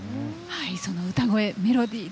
その歌声、メロディー